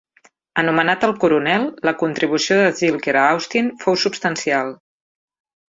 Anomenat "el Coronel", la contribució de Zilker a Austin fou substancial.